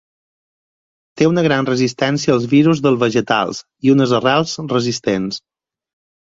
Té una gran resistència als virus dels vegetals i unes arrels resistents.